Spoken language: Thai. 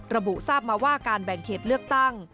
ระบุทราบมาว่าการแบ่งเขตเลือกตั้ง